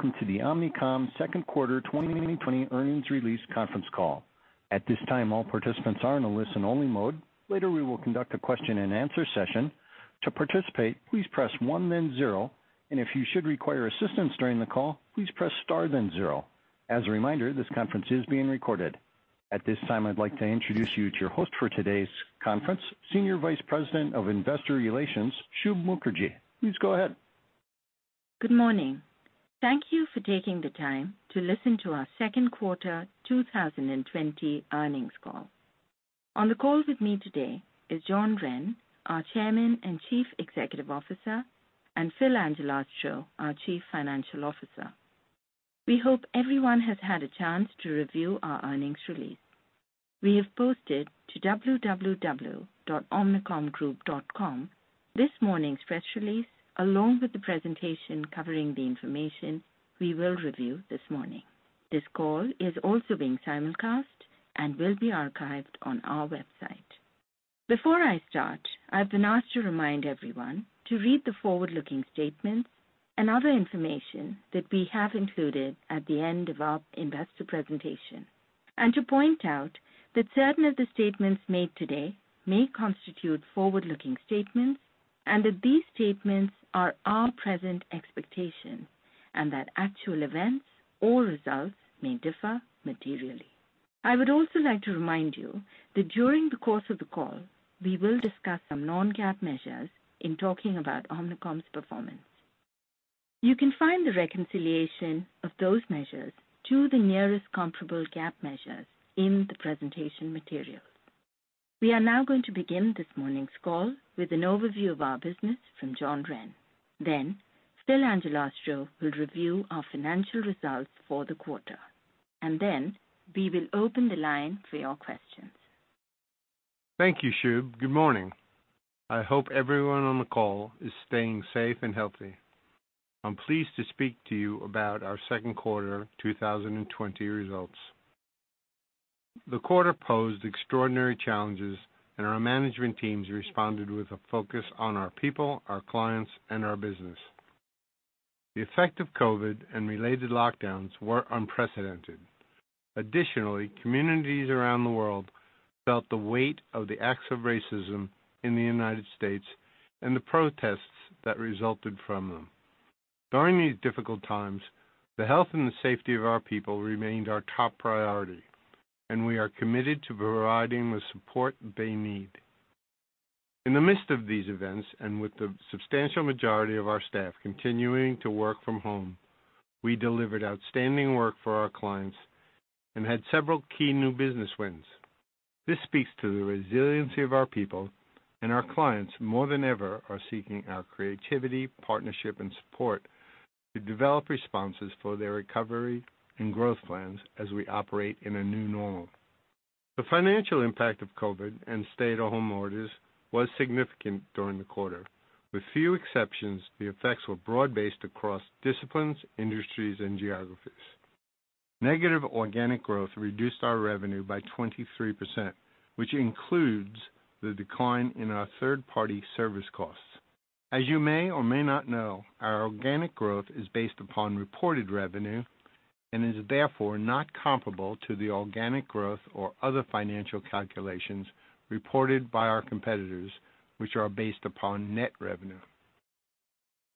Welcome to the Omnicom Second Quarter 2020 Earnings Release Conference Call. At this time, all participants are in a listen-only mode. Later, we will conduct a question-and-answer session. To participate, please press one, then zero. And if you should require assistance during the call, please press star, then zero. As a reminder, this conference is being recorded. At this time, I'd like to introduce you to your host for today's conference, Senior Vice President of Investor Relations, Shub Mukherjee. Please go ahead. Good morning. Thank you for taking the time to listen to our Second Quarter 2020 Earnings Call. On the call with me today is John Wren, our Chairman and Chief Executive Officer, and Phil Angelastro, our Chief Financial Officer. We hope everyone has had a chance to review our earnings release. We have posted to www.omnicomgroup.com this morning's press release, along with the presentation covering the information we will review this morning. This call is also being simulcast and will be archived on our website. Before I start, I've been asked to remind everyone to read the forward-looking statements and other information that we have included at the end of our investor presentation, and to point out that certain of the statements made today may constitute forward-looking statements, and that these statements are our present expectations, and that actual events or results may differ materially. I would also like to remind you that during the course of the call, we will discuss some non-GAAP measures in talking about Omnicom's performance. You can find the reconciliation of those measures to the nearest comparable GAAP measures in the presentation material. We are now going to begin this morning's call with an overview of our business from John Wren. Then, Phil Angelastro will review our financial results for the quarter. And then, we will open the line for your questions. Thank you, Shub. Good morning. I hope everyone on the call is staying safe and healthy. I'm pleased to speak to you about our Second Quarter 2020 results. The quarter posed extraordinary challenges, and our management teams responded with a focus on our people, our clients, and our business. The effect of COVID and related lockdowns were unprecedented. Additionally, communities around the world felt the weight of the acts of racism in the United States and the protests that resulted from them. During these difficult times, the health and the safety of our people remained our top priority, and we are committed to providing the support they need. In the midst of these events, and with the substantial majority of our staff continuing to work from home, we delivered outstanding work for our clients and had several key new business wins. This speaks to the resiliency of our people, and our clients, more than ever, are seeking our creativity, partnership, and support to develop responses for their recovery and growth plans as we operate in a new normal. The financial impact of COVID and stay-at-home orders was significant during the quarter. With few exceptions, the effects were broad-based across disciplines, industries, and geographies. Negative organic growth reduced our revenue by 23%, which includes the decline in our third-party service costs. As you may or may not know, our organic growth is based upon reported revenue and is therefore not comparable to the organic growth or other financial calculations reported by our competitors, which are based upon net revenue.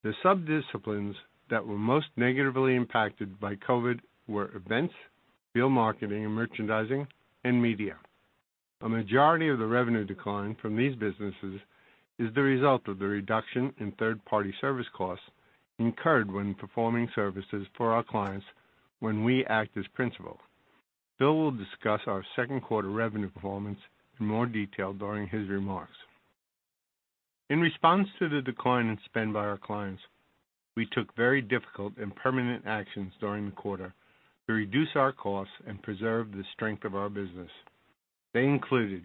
The subdisciplines that were most negatively impacted by COVID were events, field marketing and merchandising, and media. A majority of the revenue decline from these businesses is the result of the reduction in third-party service costs incurred when performing services for our clients when we act as principal. Phil will discuss our second quarter revenue performance in more detail during his remarks. In response to the decline in spend by our clients, we took very difficult and permanent actions during the quarter to reduce our costs and preserve the strength of our business. They included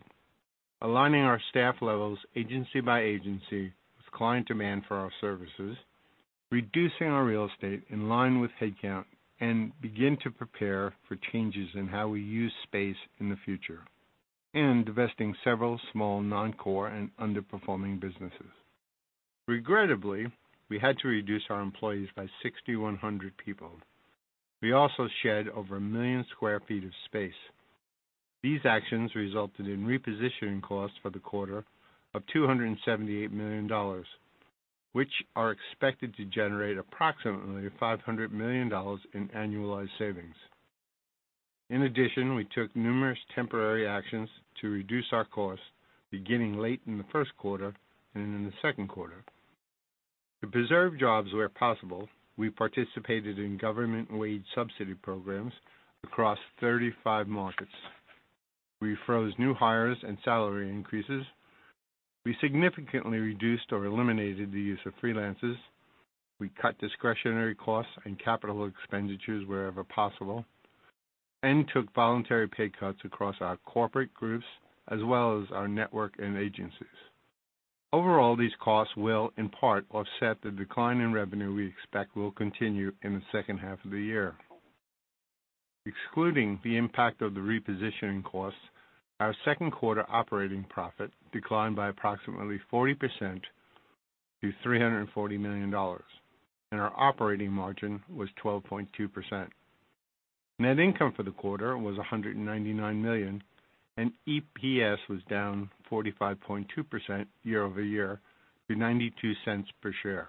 aligning our staff levels agency by agency with client demand for our services, reducing our real estate in line with headcount, and beginning to prepare for changes in how we use space in the future, and divesting several small non-core and underperforming businesses. Regrettably, we had to reduce our employees by 6,100 people. We also shed over a million square feet of space. These actions resulted in repositioning costs for the quarter of $278 million, which are expected to generate approximately $500 million in annualized savings. In addition, we took numerous temporary actions to reduce our costs, beginning late in the first quarter and in the second quarter. To preserve jobs where possible, we participated in government wage subsidy programs across 35 markets. We froze new hires and salary increases. We significantly reduced or eliminated the use of freelancers. We cut discretionary costs and capital expenditures wherever possible and took voluntary pay cuts across our corporate groups as well as our network and agencies. Overall, these costs will, in part, offset the decline in revenue we expect will continue in the second half of the year. Excluding the impact of the repositioning costs, our second quarter operating profit declined by approximately 40% to $340 million, and our operating margin was 12.2%. Net income for the quarter was $199 million, and EPS was down 45.2% year-over-year to $0.92 per share.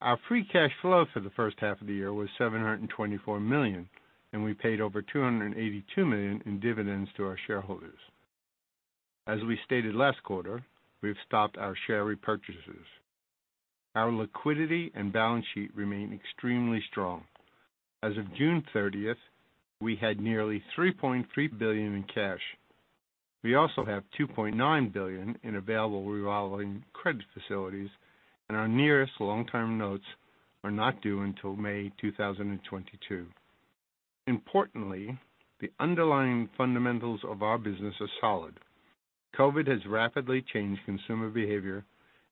Our free cash flow for the first half of the year was $724 million, and we paid over $282 million in dividends to our shareholders. As we stated last quarter, we've stopped our share repurchases. Our liquidity and balance sheet remain extremely strong. As of June 30th, we had nearly $3.3 billion in cash. We also have $2.9 billion in available revolving credit facilities, and our nearest long-term notes are not due until May 2022. Importantly, the underlying fundamentals of our business are solid. COVID has rapidly changed consumer behavior,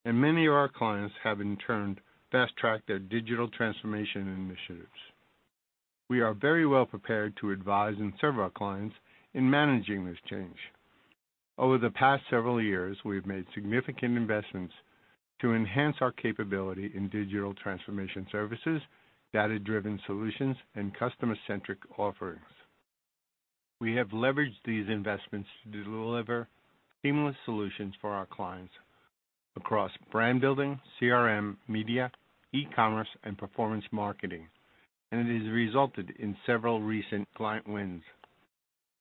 and many of our clients have in turn fast-tracked their digital transformation initiatives. We are very well prepared to advise and serve our clients in managing this change. Over the past several years, we have made significant investments to enhance our capability in digital transformation services, data-driven solutions, and customer-centric offerings. We have leveraged these investments to deliver seamless solutions for our clients across brand building, CRM, media, e-commerce, and performance marketing, and it has resulted in several recent client wins.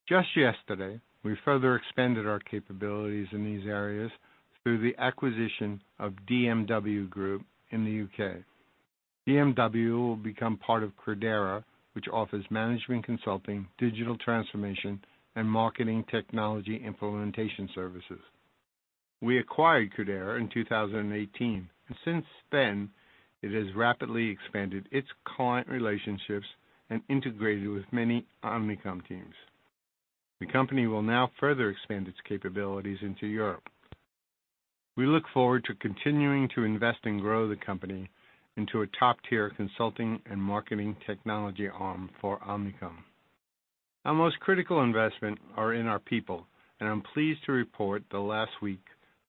Just yesterday, we further expanded our capabilities in these areas through the acquisition of DMW Group in the U.K. DMW will become part of Credera, which offers management consulting, digital transformation, and marketing technology implementation services. We acquired Credera in 2018, and since then, it has rapidly expanded its client relationships and integrated with many Omnicom teams. The company will now further expand its capabilities into Europe. We look forward to continuing to invest and grow the company into a top-tier consulting and marketing technology arm for Omnicom. Our most critical investments are in our people, and I'm pleased to report that last week,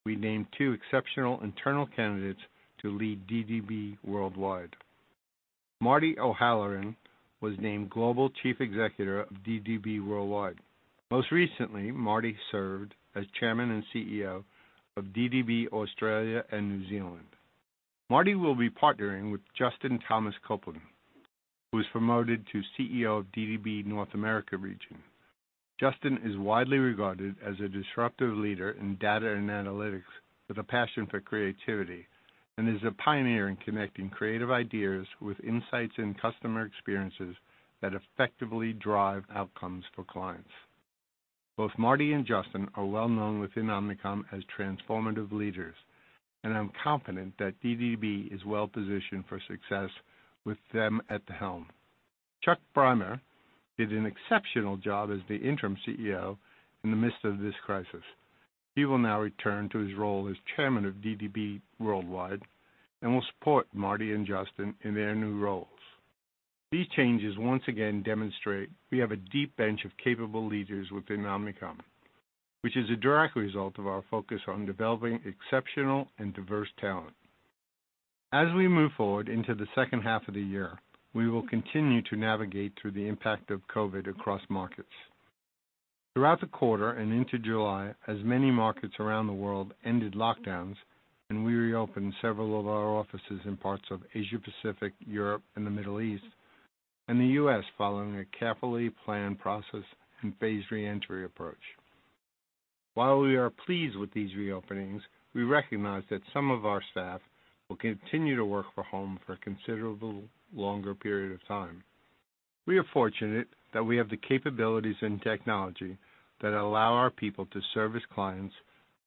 we named two exceptional internal candidates to lead DDB Worldwide. Marty O'Halloran was named Global Chief Executive of DDB Worldwide. Most recently, Marty served as Chairman and CEO of DDB Australia and New Zealand. Marty will be partnering with Justin Thomas-Copeland, who was promoted to CEO of DDB North America region. Justin is widely regarded as a disruptive leader in data and analytics with a passion for creativity and is a pioneer in connecting creative ideas with insights and customer experiences that effectively drive outcomes for clients. Both Marty and Justin are well known within Omnicom as transformative leaders, and I'm confident that DDB is well positioned for success with them at the helm. Chuck Brymer did an exceptional job as the interim CEO in the midst of this crisis. He will now return to his role as Chairman of DDB Worldwide and will support Marty and Justin in their new roles. These changes once again demonstrate we have a deep bench of capable leaders within Omnicom, which is a direct result of our focus on developing exceptional and diverse talent. As we move forward into the second half of the year, we will continue to navigate through the impact of COVID across markets. Throughout the quarter and into July, as many markets around the world ended lockdowns and we reopened several of our offices in parts of Asia Pacific, Europe, and the Middle East, and the U.S. following a carefully planned process and phased reentry approach. While we are pleased with these reopenings, we recognize that some of our staff will continue to work from home for a considerably longer period of time. We are fortunate that we have the capabilities and technology that allow our people to service clients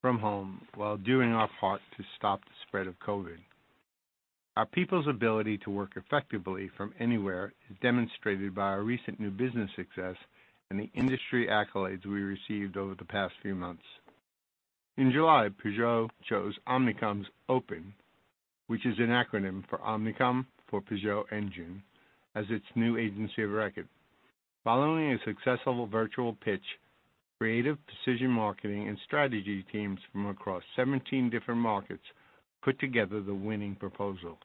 from home while doing our part to stop the spread of COVID. Our people's ability to work effectively from anywhere is demonstrated by our recent new business success and the industry accolades we received over the past few months. In July, Peugeot chose Omnicom's OPEN, which is an acronym for Omnicom for Peugeot Engine, as its new agency of record. Following a successful virtual pitch, creative precision marketing and strategy teams from across 17 different markets put together the winning proposal.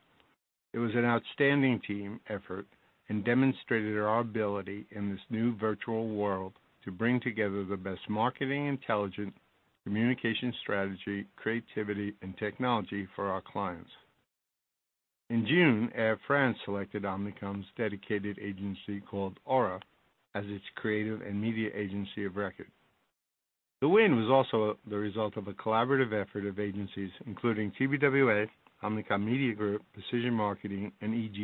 It was an outstanding team effort and demonstrated our ability in this new virtual world to bring together the best marketing intelligence, communication strategy, creativity, and technology for our clients. In June, Air France selected Omnicom's dedicated agency called Aura as its creative and media agency of record. The win was also the result of a collaborative effort of agencies including TBWA, Omnicom Media Group, Precision Marketing, and eg+.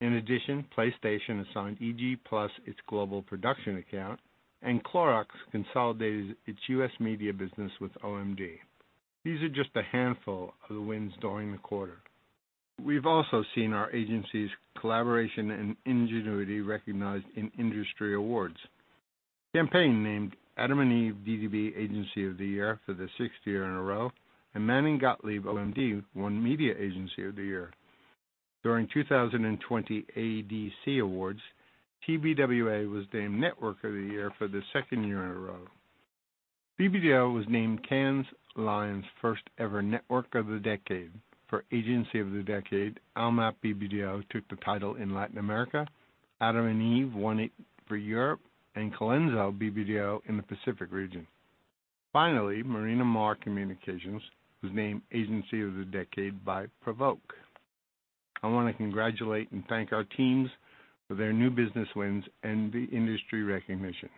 In addition, PlayStation assigned eg+ its global production account, and Clorox consolidated its U.S. media business with OMG. These are just a handful of the wins during the quarter. We've also seen our agency's collaboration and ingenuity recognized in industry awards. Campaign named adam&eveDDB Agency of the Year for the sixth year in a row, and Manning Gottlieb OMD won Media Agency of the Year. During 2020 ADC Awards, TBWA was named Network of the Year for the second year in a row. BBDO was named Cannes Lions' first-ever Network of the Decade for Agency of the Decade. AlmapBBDO took the title in Latin America, adam&eve won it for Europe, and Colenso BBDO in the Pacific region. Finally, Marina Maher Communications was named Agency of the Decade by PRovoke. I want to congratulate and thank our teams for their new business wins and the industry recognition.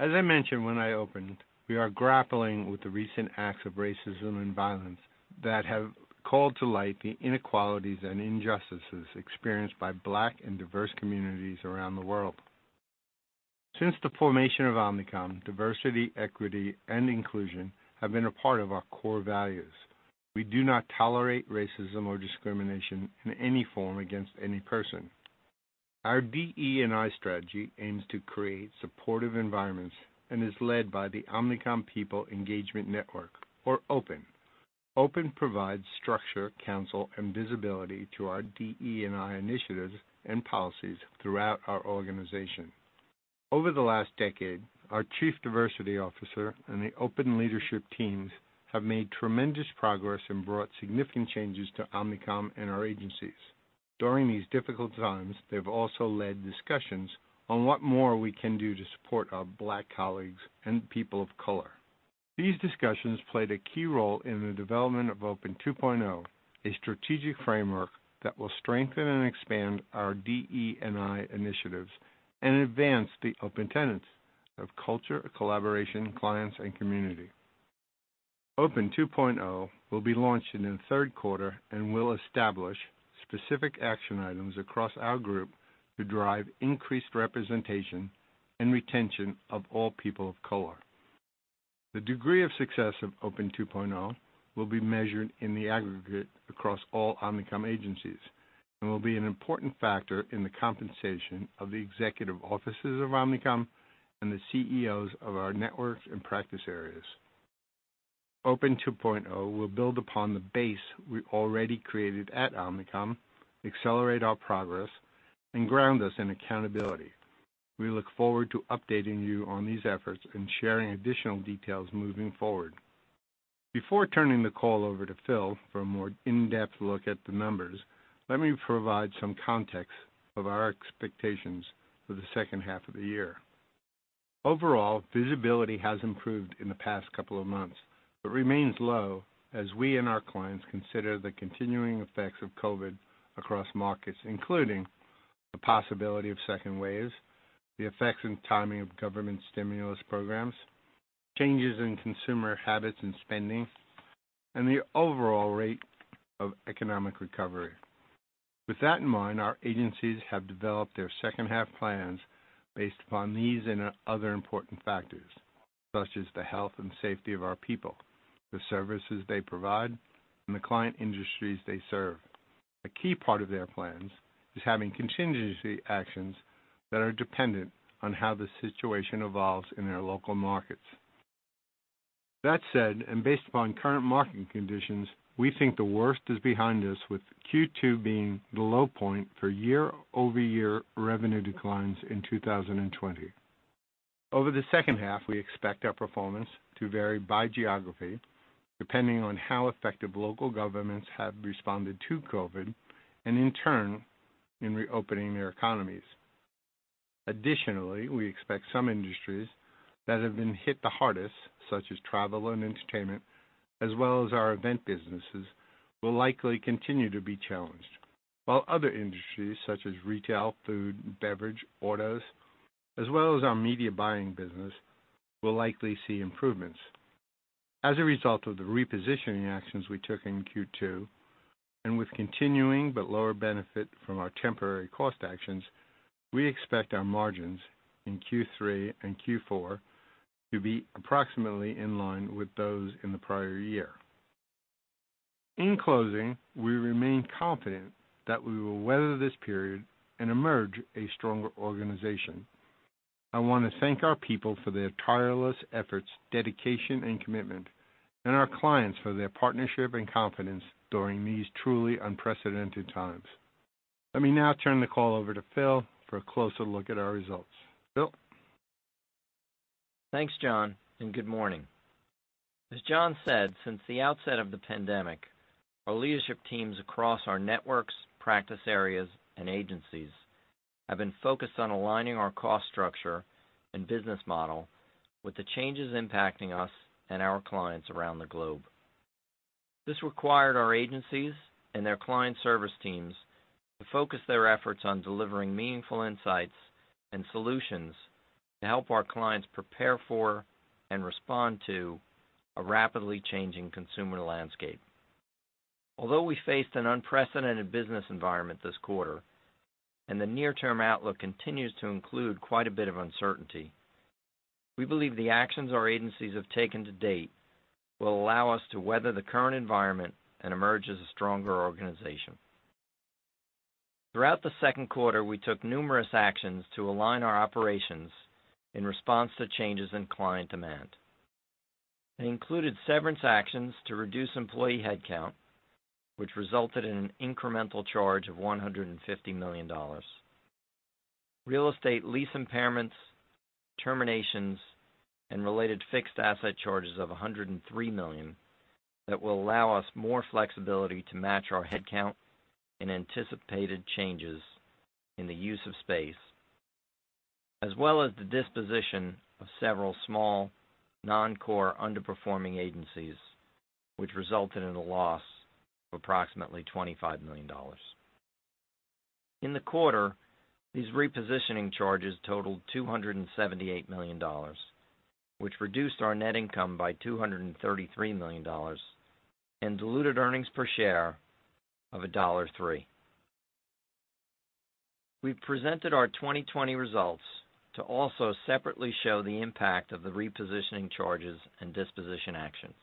As I mentioned when I opened, we are grappling with the recent acts of racism and violence that have called to light the inequalities and injustices experienced by Black and diverse communities around the world. Since the formation of Omnicom, diversity, equity, and inclusion have been a part of our core values. We do not tolerate racism or discrimination in any form against any person. Our DE&I strategy aims to create supportive environments and is led by the Omnicom People Engagement Network, or OPEN. OPEN provides structure, counsel, and visibility to our DE&I initiatives and policies throughout our organization. Over the last decade, our Chief Diversity Officer and the OPEN leadership teams have made tremendous progress and brought significant changes to Omnicom and our agencies. During these difficult times, they've also led discussions on what more we can do to support our Black colleagues and people of color. These discussions played a key role in the development of OPEN 2.0, a strategic framework that will strengthen and expand our DE&I initiatives and advance the OPEN tenets of culture, collaboration, clients, and community. OPEN 2.0 will be launched in the third quarter and will establish specific action items across our group to drive increased representation and retention of all people of color. The degree of success of OPEN 2.0 will be measured in the aggregate across all Omnicom agencies and will be an important factor in the compensation of the executive offices of Omnicom and the CEOs of our networks and practice areas. OPEN 2.0 will build upon the base we already created at Omnicom, accelerate our progress, and ground us in accountability. We look forward to updating you on these efforts and sharing additional details moving forward. Before turning the call over to Phil for a more in-depth look at the numbers, let me provide some context of our expectations for the second half of the year. Overall, visibility has improved in the past couple of months, but remains low as we and our clients consider the continuing effects of COVID across markets, including the possibility of second waves, the effects and timing of government stimulus programs, changes in consumer habits and spending, and the overall rate of economic recovery. With that in mind, our agencies have developed their second-half plans based upon these and other important factors, such as the health and safety of our people, the services they provide, and the client industries they serve. A key part of their plans is having contingency actions that are dependent on how the situation evolves in their local markets. That said, and based upon current market conditions, we think the worst is behind us, with Q2 being the low point for year-over-year revenue declines in 2020. Over the second half, we expect our performance to vary by geography, depending on how effective local governments have responded to COVID and, in turn, in reopening their economies. Additionally, we expect some industries that have been hit the hardest, such as travel and entertainment, as well as our event businesses, will likely continue to be challenged, while other industries, such as retail, food, beverage, autos, as well as our media buying business, will likely see improvements. As a result of the repositioning actions we took in Q2, and with continuing but lower benefit from our temporary cost actions, we expect our margins in Q3 and Q4 to be approximately in line with those in the prior year. In closing, we remain confident that we will weather this period and emerge a stronger organization. I want to thank our people for their tireless efforts, dedication, and commitment, and our clients for their partnership and confidence during these truly unprecedented times. Let me now turn the call over to Phil for a closer look at our results. Phil? Thanks, John, and good morning. As John said, since the outset of the pandemic, our leadership teams across our networks, practice areas, and agencies have been focused on aligning our cost structure and business model with the changes impacting us and our clients around the globe. This required our agencies and their client service teams to focus their efforts on delivering meaningful insights and solutions to help our clients prepare for and respond to a rapidly changing consumer landscape. Although we faced an unprecedented business environment this quarter and the near-term outlook continues to include quite a bit of uncertainty, we believe the actions our agencies have taken to date will allow us to weather the current environment and emerge as a stronger organization. Throughout the second quarter, we took numerous actions to align our operations in response to changes in client demand. They included severance actions to reduce employee headcount, which resulted in an incremental charge of $150 million, real estate lease impairments, terminations, and related fixed asset charges of $103 million that will allow us more flexibility to match our headcount and anticipated changes in the use of space, as well as the disposition of several small, non-core, underperforming agencies, which resulted in a loss of approximately $25 million. In the quarter, these repositioning charges totaled $278 million, which reduced our net income by $233 million and diluted earnings per share of $1.03. We've presented our 2020 results to also separately show the impact of the repositioning charges and disposition actions.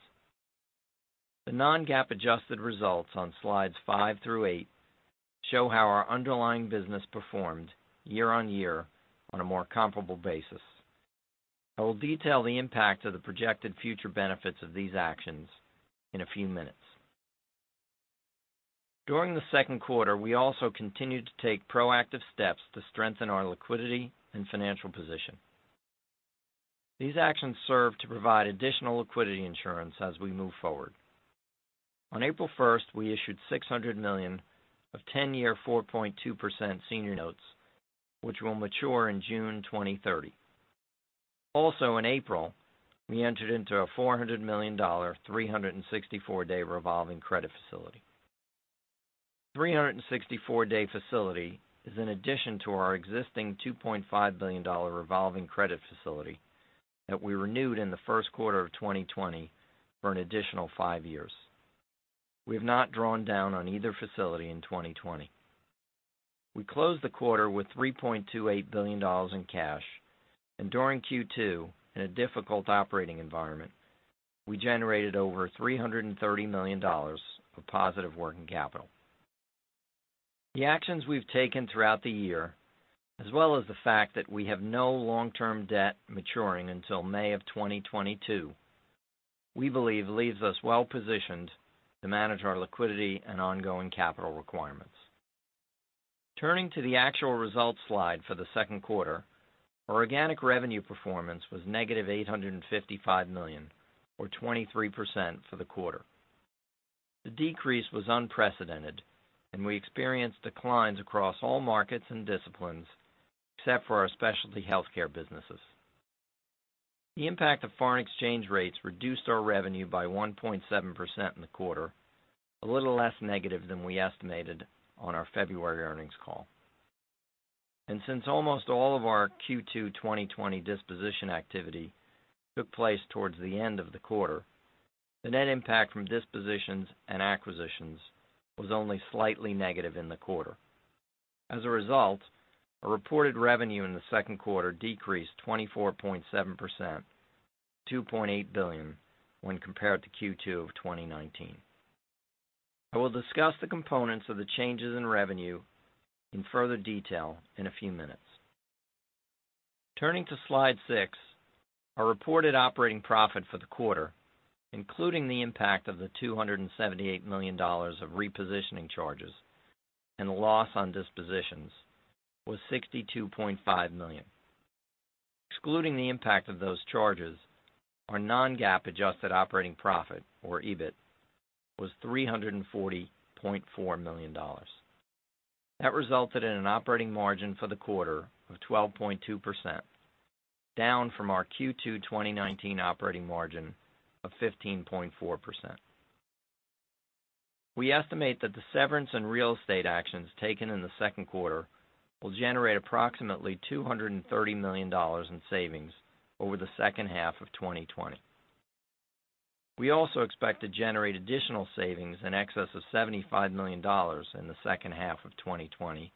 The non-GAAP adjusted results on slides five through eight show how our underlying business performed year on year on a more comparable basis. I will detail the impact of the projected future benefits of these actions in a few minutes. During the second quarter, we also continued to take proactive steps to strengthen our liquidity and financial position. These actions serve to provide additional liquidity insurance as we move forward. On April 1st, we issued $600 million of 10-year 4.2% senior notes, which will mature in June 2030. Also, in April, we entered into a $400 million 364-day revolving credit facility. The 364-day facility is in addition to our existing $2.5 billion revolving credit facility that we renewed in the first quarter of 2020 for an additional five years. We have not drawn down on either facility in 2020. We closed the quarter with $3.28 billion in cash, and during Q2, in a difficult operating environment, we generated over $330 million of positive working capital. The actions we've taken throughout the year, as well as the fact that we have no long-term debt maturing until May of 2022, we believe leaves us well-positioned to manage our liquidity and ongoing capital requirements. Turning to the actual results slide for the second quarter, our organic revenue performance was negative $855 million, or 23% for the quarter. The decrease was unprecedented, and we experienced declines across all markets and disciplines except for our specialty healthcare businesses. The impact of foreign exchange rates reduced our revenue by 1.7% in the quarter, a little less negative than we estimated on our February earnings call. And since almost all of our Q2 2020 disposition activity took place towards the end of the quarter, the net impact from dispositions and acquisitions was only slightly negative in the quarter. As a result, our reported revenue in the second quarter decreased 24.7%, $2.8 billion, when compared to Q2 of 2019. I will discuss the components of the changes in revenue in further detail in a few minutes. Turning to slide six, our reported operating profit for the quarter, including the impact of the $278 million of repositioning charges and the loss on dispositions, was $62.5 million. Excluding the impact of those charges, our non-GAAP adjusted operating profit, or EBIT, was $340.4 million. That resulted in an operating margin for the quarter of 12.2%, down from our Q2 2019 operating margin of 15.4%. We estimate that the severance and real estate actions taken in the second quarter will generate approximately $230 million in savings over the second half of 2020. We also expect to generate additional savings in excess of $75 million in the second half of 2020,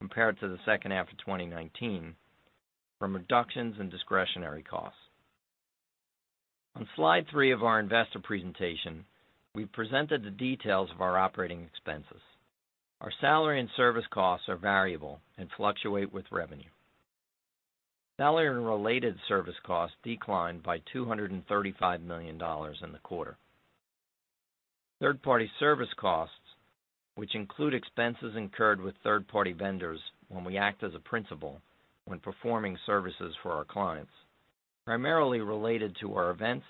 compared to the second half of 2019, from reductions in discretionary costs. On slide three of our investor presentation, we've presented the details of our operating expenses. Our salary and service costs are variable and fluctuate with revenue. Salary and related service costs declined by $235 million in the quarter. Third-party service costs, which include expenses incurred with third-party vendors when we act as a principal when performing services for our clients, primarily related to our events,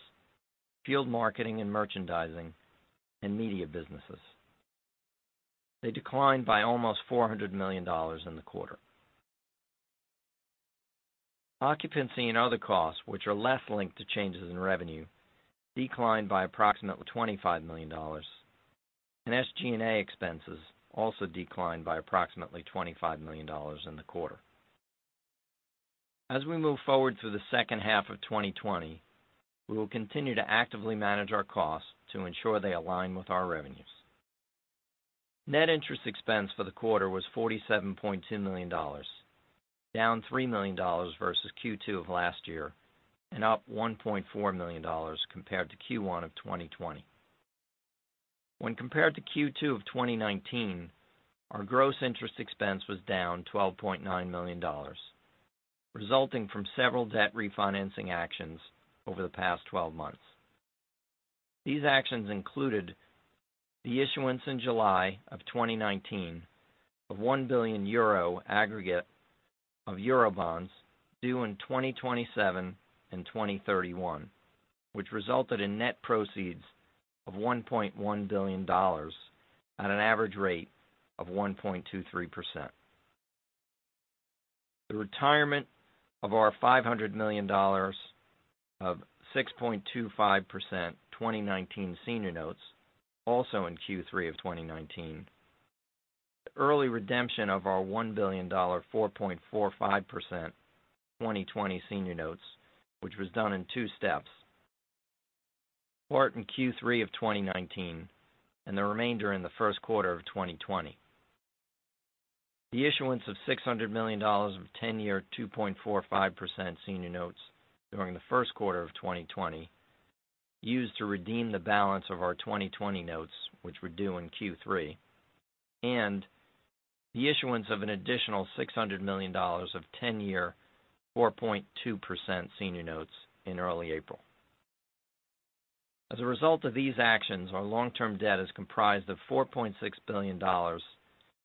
field marketing and merchandising, and media businesses, declined by almost $400 million in the quarter. Occupancy and other costs, which are less linked to changes in revenue, declined by approximately $25 million, and SG&A expenses also declined by approximately $25 million in the quarter. As we move forward through the second half of 2020, we will continue to actively manage our costs to ensure they align with our revenues. Net interest expense for the quarter was $47.2 million, down $3 million versus Q2 of last year and up $1.4 million compared to Q1 of 2020. When compared to Q2 of 2019, our gross interest expense was down $12.9 million, resulting from several debt refinancing actions over the past 12 months. These actions included the issuance in July of 2019 of 1 billion euro aggregate of Eurobonds due in 2027 and 2031, which resulted in net proceeds of $1.1 billion at an average rate of 1.23%. The retirement of our $500 million of 6.25% 2019 senior notes, also in Q3 of 2019. The early redemption of our $1 billion 4.45% 2020 senior notes, which was done in two steps, part in Q3 of 2019 and the remainder in the first quarter of 2020. The issuance of $600 million of 10-year 2.45% senior notes during the first quarter of 2020 was used to redeem the balance of our 2020 notes, which were due in Q3, and the issuance of an additional $600 million of 10-year 4.2% senior notes in early April. As a result of these actions, our long-term debt is comprised of $4.6 billion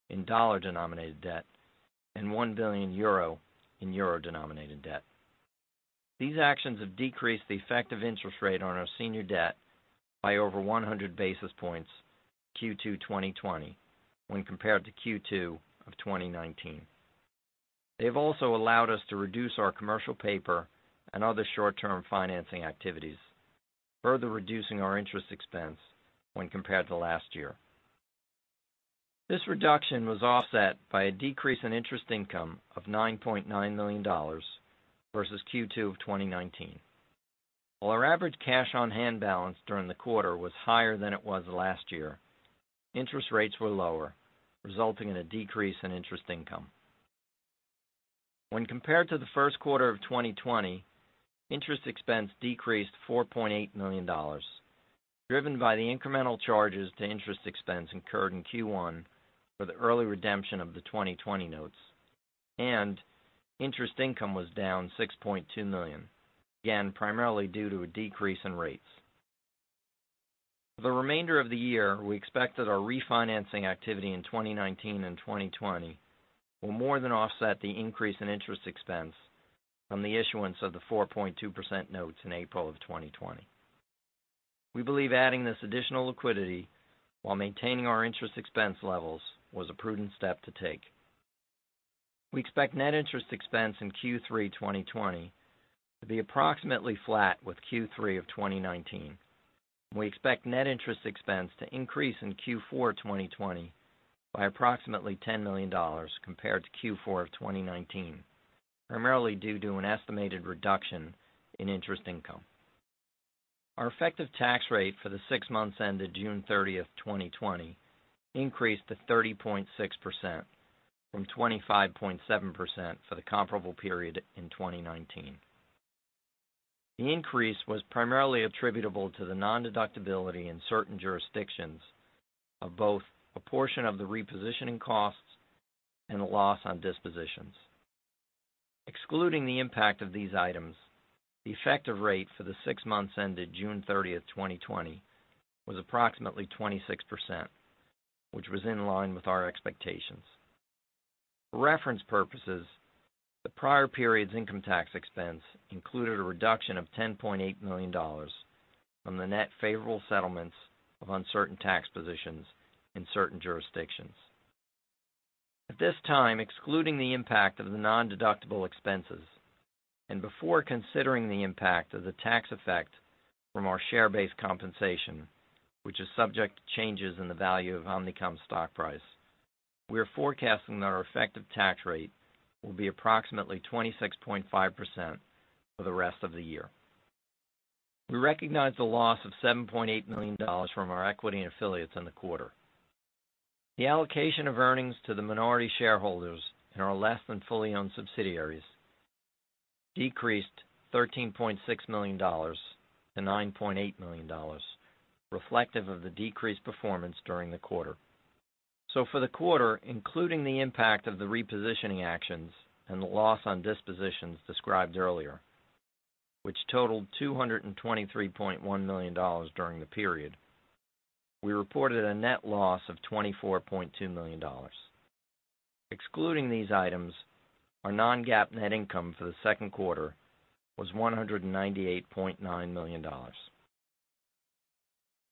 in dollar-denominated debt and EUR 1 billion in euro-denominated debt. These actions have decreased the effective interest rate on our senior debt by over 100 basis points Q2 2020 when compared to Q2 of 2019. They have also allowed us to reduce our commercial paper and other short-term financing activities, further reducing our interest expense when compared to last year. This reduction was offset by a decrease in interest income of $9.9 million versus Q2 of 2019. While our average cash-on-hand balance during the quarter was higher than it was last year, interest rates were lower, resulting in a decrease in interest income. When compared to the first quarter of 2020, interest expense decreased $4.8 million, driven by the incremental charges to interest expense incurred in Q1 for the early redemption of the 2020 notes, and interest income was down $6.2 million, again primarily due to a decrease in rates. For the remainder of the year, we expect that our refinancing activity in 2019 and 2020 will more than offset the increase in interest expense from the issuance of the 4.2% notes in April of 2020. We believe adding this additional liquidity while maintaining our interest expense levels was a prudent step to take. We expect net interest expense in Q3 2020 to be approximately flat with Q3 of 2019. We expect net interest expense to increase in Q4 2020 by approximately $10 million compared to Q4 of 2019, primarily due to an estimated reduction in interest income. Our effective tax rate for the six months ended June 30th, 2020, increased to 30.6% from 25.7% for the comparable period in 2019. The increase was primarily attributable to the non-deductibility in certain jurisdictions of both a portion of the repositioning costs and the loss on dispositions. Excluding the impact of these items, the effective rate for the six months ended June 30th, 2020, was approximately 26%, which was in line with our expectations. For reference purposes, the prior period's income tax expense included a reduction of $10.8 million from the net favorable settlements of uncertain tax positions in certain jurisdictions. At this time, excluding the impact of the non-deductible expenses and before considering the impact of the tax effect from our share-based compensation, which is subject to changes in the value of Omnicom's stock price, we are forecasting that our effective tax rate will be approximately 26.5% for the rest of the year. We recognize the loss of $7.8 million from our equity in affiliates in the quarter. The allocation of earnings to the minority shareholders in our less-than-fully-owned subsidiaries decreased $13.6 million to $9.8 million, reflective of the decreased performance during the quarter. So for the quarter, including the impact of the repositioning actions and the loss on dispositions described earlier, which totaled $223.1 million during the period, we reported a net loss of $24.2 million. Excluding these items, our non-GAAP net income for the second quarter was $198.9 million.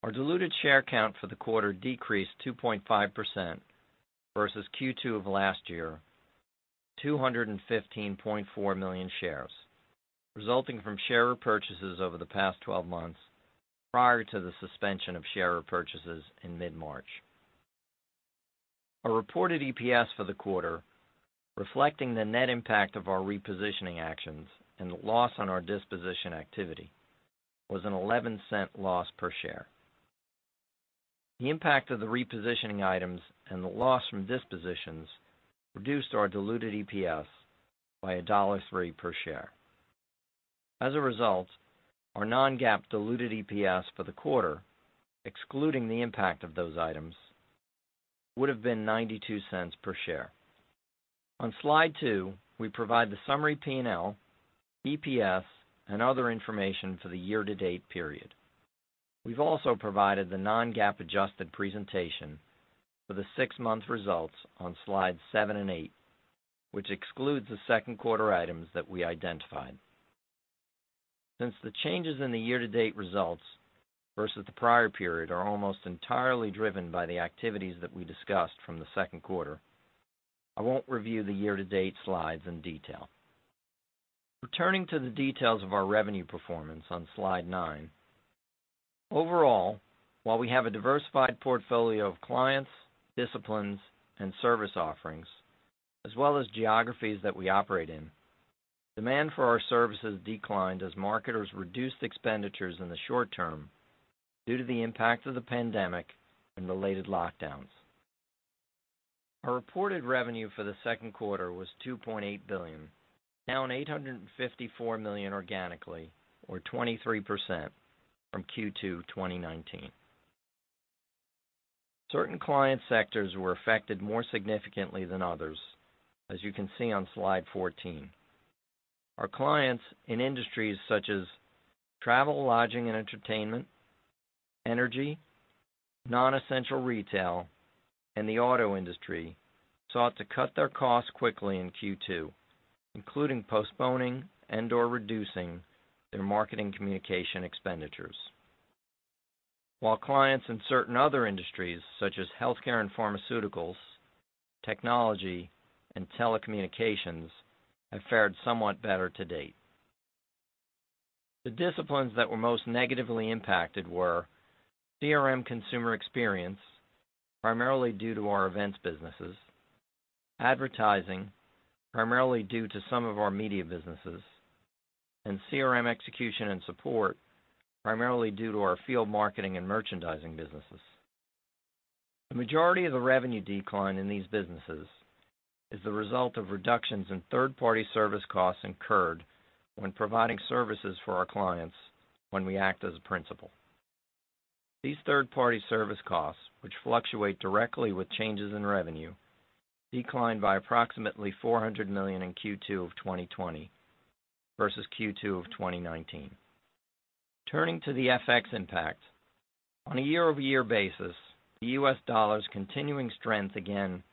Our diluted share count for the quarter decreased 2.5% versus Q2 of last year, 215.4 million shares, resulting from share repurchases over the past 12 months prior to the suspension of share repurchases in mid-March. Our reported EPS for the quarter, reflecting the net impact of our repositioning actions and the loss on our disposition activity, was a $0.11 loss per share. The impact of the repositioning items and the loss from dispositions reduced our diluted EPS by $1.03 per share. As a result, our non-GAAP diluted EPS for the quarter, excluding the impact of those items, would have been $0.92 per share. On slide two, we provide the summary P&L, EPS, and other information for the year-to-date period. We've also provided the non-GAAP adjusted presentation for the six-month results on slides seven and eight, which excludes the second quarter items that we identified. Since the changes in the year-to-date results versus the prior period are almost entirely driven by the activities that we discussed from the second quarter, I won't review the year-to-date slides in detail. Returning to the details of our revenue performance on slide nine, overall, while we have a diversified portfolio of clients, disciplines, and service offerings, as well as geographies that we operate in, demand for our services declined as marketers reduced expenditures in the short term due to the impact of the pandemic and related lockdowns. Our reported revenue for the second quarter was $2.8 billion, down $854 million organically, or 23% from Q2 2019. Certain client sectors were affected more significantly than others, as you can see on slide 14. Our clients in industries such as travel, lodging, and entertainment, energy, non-essential retail, and the auto industry sought to cut their costs quickly in Q2, including postponing and/or reducing their marketing communication expenditures, while clients in certain other industries such as healthcare and pharmaceuticals, technology, and telecommunications have fared somewhat better to date. The disciplines that were most negatively impacted were CRM Consumer Experience, primarily due to our events businesses. Advertising, primarily due to some of our media businesses. And CRM Execution & Support, primarily due to our field marketing and merchandising businesses. The majority of the revenue decline in these businesses is the result of reductions in third-party service costs incurred when providing services for our clients when we act as a principal. These third-party service costs, which fluctuate directly with changes in revenue, declined by approximately $400 million in Q2 of 2020 versus Q2 of 2019. Turning to the FX impact, on a year-over-year basis, the U.S. dollar's continuing strength again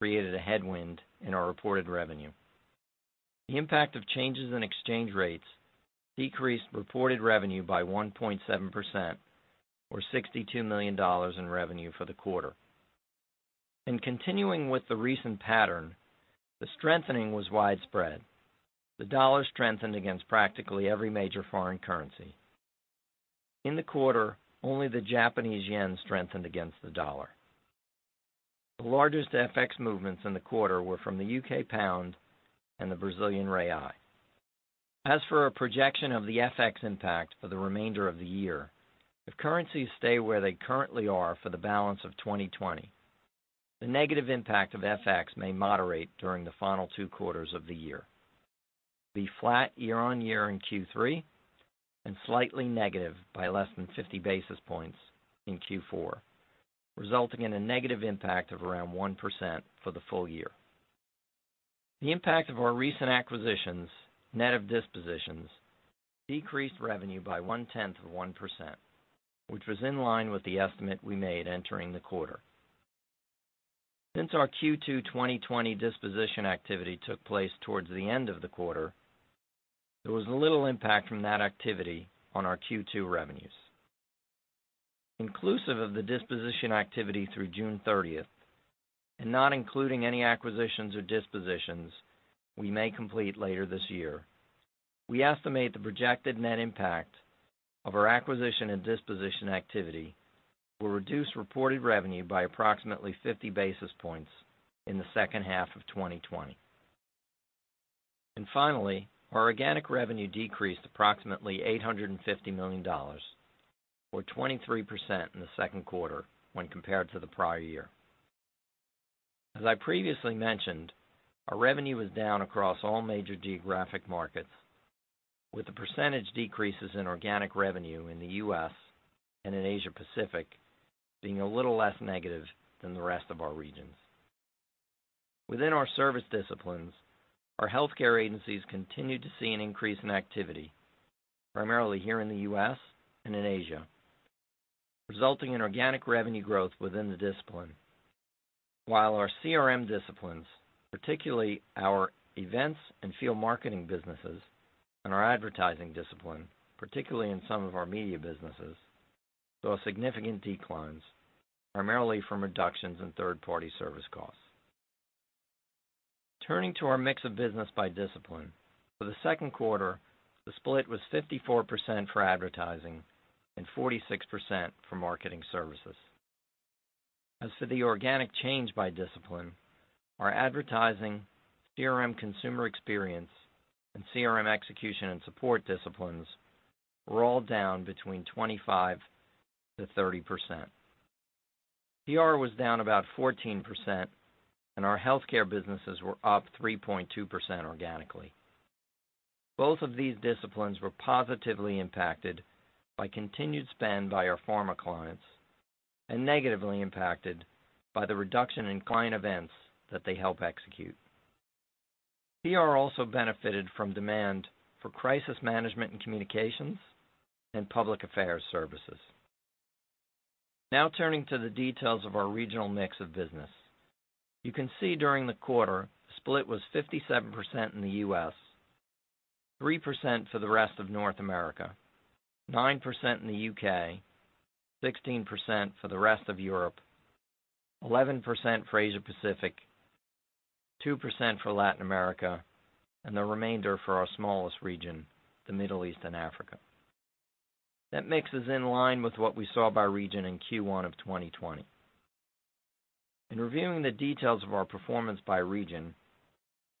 created a headwind in our reported revenue. The impact of changes in exchange rates decreased reported revenue by 1.7%, or $62 million in revenue for the quarter. In continuing with the recent pattern, the strengthening was widespread. The dollar strengthened against practically every major foreign currency. In the quarter, only the Japanese yen strengthened against the dollar. The largest FX movements in the quarter were from the U.K. pound and the Brazilian real. As for our projection of the FX impact for the remainder of the year, if currencies stay where they currently are for the balance of 2020, the negative impact of FX may moderate during the final two quarters of the year, be flat year-on-year in Q3 and slightly negative by less than 50 basis points in Q4, resulting in a negative impact of around 1% for the full year. The impact of our recent acquisitions, net of dispositions, decreased revenue by one-tenth of 1%, which was in line with the estimate we made entering the quarter. Since our Q2 2020 disposition activity took place towards the end of the quarter, there was little impact from that activity on our Q2 revenues. Inclusive of the disposition activity through June 30th, and not including any acquisitions or dispositions we may complete later this year, we estimate the projected net impact of our acquisition and disposition activity will reduce reported revenue by approximately 50 basis points in the second half of 2020, and finally, our organic revenue decreased approximately $850 million, or 23% in the second quarter when compared to the prior year. As I previously mentioned, our revenue was down across all major geographic markets, with the percentage decreases in organic revenue in the U.S. and in Asia Pacific being a little less negative than the rest of our regions. Within our service disciplines, our healthcare agencies continue to see an increase in activity, primarily here in the U.S. and in Asia, resulting in organic revenue growth within the discipline, while our CRM disciplines, particularly our events and field marketing businesses, and our advertising discipline, particularly in some of our media businesses, saw significant declines, primarily from reductions in third-party service costs. Turning to our mix of business by discipline, for the second quarter, the split was 54% for advertising and 46% for marketing services. As for the organic change by discipline, our advertising, CRM Consumer Experience, and CRM Execution & Support disciplines were all down between 25%-30%. PR was down about 14%, and our healthcare businesses were up 3.2% organically. Both of these disciplines were positively impacted by continued spend by our pharma clients and negatively impacted by the reduction in client events that they help execute. PR also benefited from demand for crisis management and communications and public affairs services. Now turning to the details of our regional mix of business, you can see during the quarter, the split was 57% in the U.S., 3% for the rest of North America, 9% in the U.K., 16% for the rest of Europe, 11% for Asia Pacific, 2% for Latin America, and the remainder for our smallest region, the Middle East and Africa. That mix is in line with what we saw by region in Q1 of 2020. In reviewing the details of our performance by region,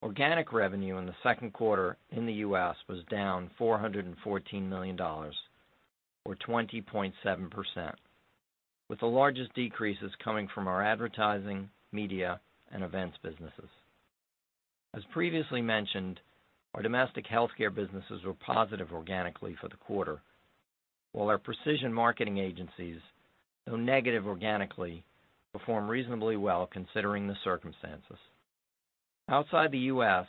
organic revenue in the second quarter in the U.S. was down $414 million, or 20.7%, with the largest decreases coming from our advertising, media, and events businesses. As previously mentioned, our domestic healthcare businesses were positive organically for the quarter, while our precision marketing agencies, though negative organically, performed reasonably well considering the circumstances. Outside the U.S.,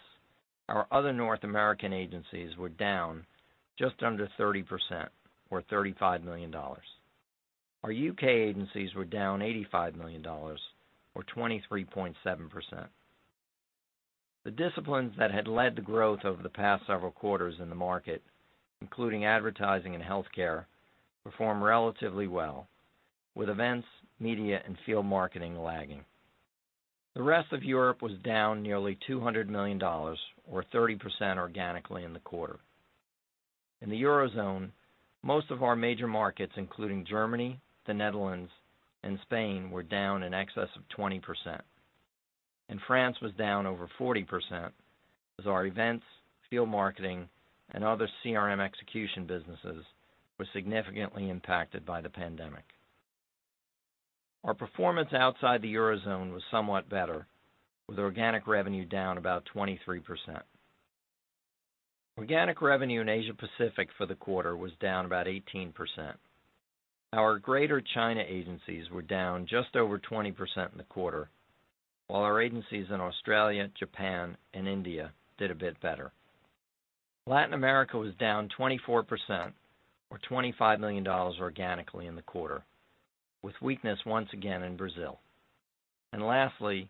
our other North American agencies were down just under 30%, or $35 million. Our U.K. agencies were down $85 million, or 23.7%. The disciplines that had led the growth over the past several quarters in the market, including advertising and healthcare, performed relatively well, with events, media, and field marketing lagging. The rest of Europe was down nearly $200 million, or 30% organically in the quarter. In the Eurozone, most of our major markets, including Germany, the Netherlands, and Spain, were down in excess of 20%. And France was down over 40%, as our events, field marketing, and other CRM execution businesses were significantly impacted by the pandemic. Our performance outside the Eurozone was somewhat better, with organic revenue down about 23%. Organic revenue in Asia Pacific for the quarter was down about 18%. Our Greater China agencies were down just over 20% in the quarter, while our agencies in Australia, Japan, and India did a bit better. Latin America was down 24%, or $25 million organically in the quarter, with weakness once again in Brazil. And lastly,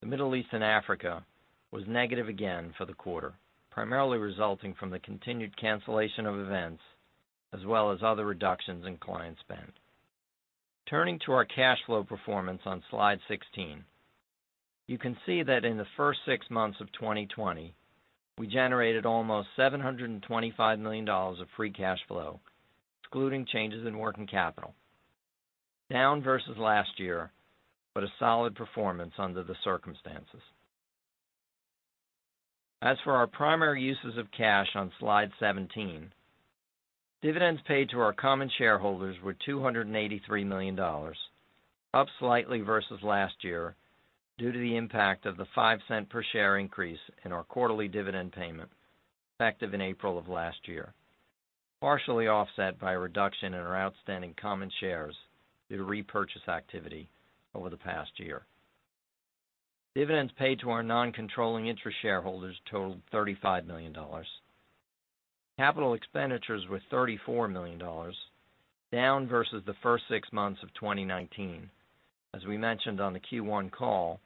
the Middle East and Africa was negative again for the quarter, primarily resulting from the continued cancellation of events, as well as other reductions in client spend. Turning to our cash flow performance on slide 16, you can see that in the first six months of 2020, we generated almost $725 million of free cash flow, excluding changes in working capital, down versus last year, but a solid performance under the circumstances. As for our primary uses of cash on slide 17, dividends paid to our common shareholders were $283 million, up slightly versus last year due to the impact of the 5 cents per share increase in our quarterly dividend payment effective in April of last year, partially offset by a reduction in our outstanding common shares due to repurchase activity over the past year. Dividends paid to our non-controlling interest shareholders totaled $35 million. Capital expenditures were $34 million, down versus the first six months of 2019. As we mentioned on the Q1 call,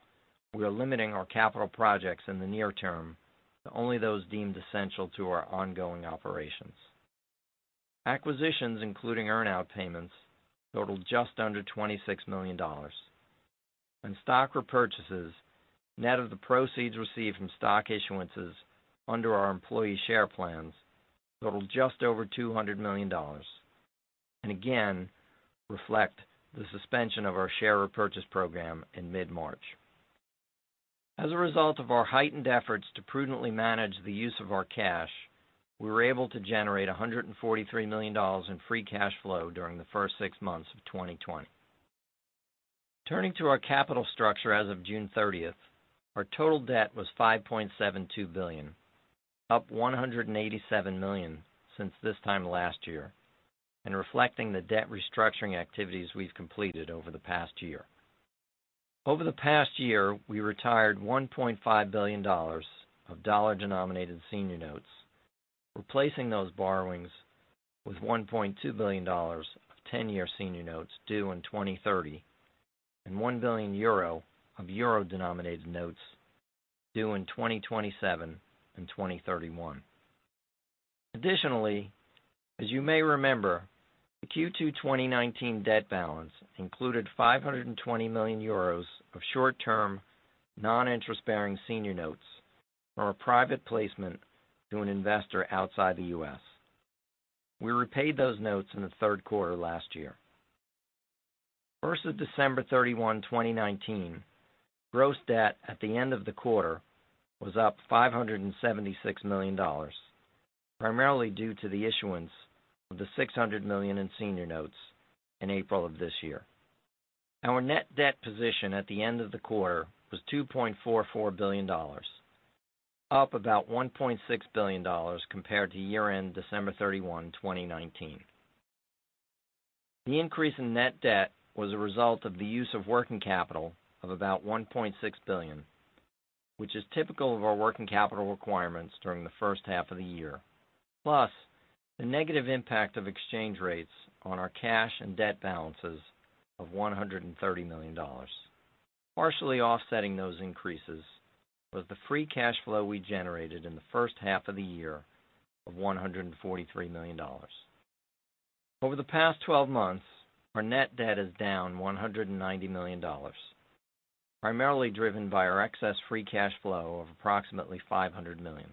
we are limiting our capital projects in the near term to only those deemed essential to our ongoing operations. Acquisitions, including earn-out payments, totaled just under $26 million. Stock repurchases, net of the proceeds received from stock issuances under our employee share plans, totaled just over $200 million, and again reflect the suspension of our share repurchase program in mid-March. As a result of our heightened efforts to prudently manage the use of our cash, we were able to generate $143 million in free cash flow during the first six months of 2020. Turning to our capital structure as of June 30th, our total debt was $5.72 billion, up $187 million since this time last year, and reflecting the debt restructuring activities we've completed over the past year. Over the past year, we retired $1.5 billion of dollar-denominated senior notes, replacing those borrowings with $1.2 billion of 10-year senior notes due in 2030, and 1 billion euro of euro-denominated notes due in 2027 and 2031. Additionally, as you may remember, the Q2 2019 debt balance included 520 million euros of short-term, non-interest-bearing senior notes from a private placement to an investor outside the U.S. We repaid those notes in the third quarter last year. As of December 31, 2019, gross debt at the end of the quarter was up $576 million, primarily due to the issuance of the $600 million in senior notes in April of this year. Our net debt position at the end of the quarter was $2.44 billion, up about $1.6 billion compared to year-end December 31, 2019. The increase in net debt was a result of the use of working capital of about $1.6 billion, which is typical of our working capital requirements during the first half of the year, plus the negative impact of exchange rates on our cash and debt balances of $130 million. Partially offsetting those increases was the free cash flow we generated in the first half of the year of $143 million. Over the past 12 months, our net debt is down $190 million, primarily driven by our excess free cash flow of approximately $500 million.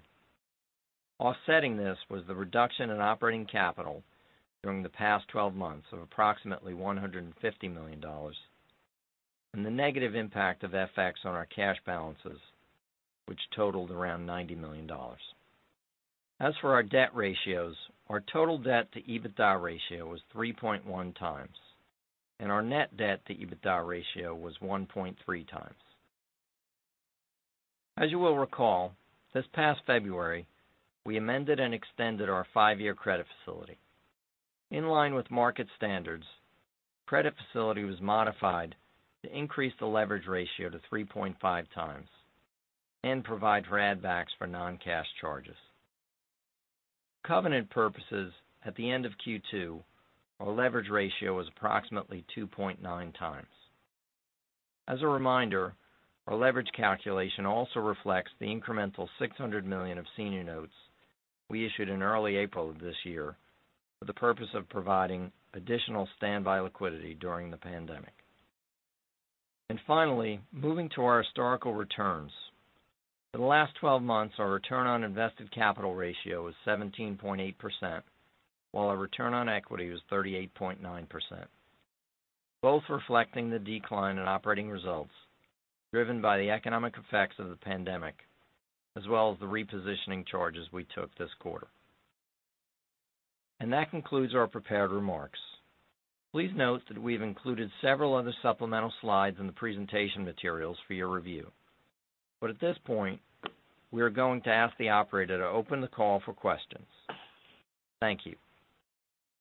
Offsetting this was the reduction in operating capital during the past 12 months of approximately $150 million, and the negative impact of FX on our cash balances, which totaled around $90 million. As for our debt ratios, our total debt-to-EBITDA ratio was 3.1x, and our net debt-to-EBITDA ratio was 1.3x. As you will recall, this past February, we amended and extended our five-year credit facility. In line with market standards, the credit facility was modified to increase the leverage ratio to 3.5x and provide for add-backs for non-cash charges. For covenant purposes, at the end of Q2, our leverage ratio was approximately 2.9x. As a reminder, our leverage calculation also reflects the incremental $600 million of senior notes we issued in early April of this year for the purpose of providing additional standby liquidity during the pandemic. And finally, moving to our historical returns, in the last 12 months, our return on invested capital ratio was 17.8%, while our return on equity was 38.9%, both reflecting the decline in operating results driven by the economic effects of the pandemic, as well as the repositioning charges we took this quarter. And that concludes our prepared remarks. Please note that we have included several other supplemental slides in the presentation materials for your review. But at this point, we are going to ask the operator to open the call for questions. Thank you.